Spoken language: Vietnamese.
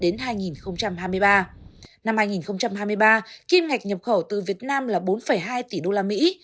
năm hai nghìn hai mươi ba kim ngạch nhập khẩu từ việt nam là bốn hai tỷ đô la mỹ